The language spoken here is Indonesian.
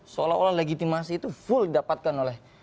seolah olah legitimasi itu full didapatkan oleh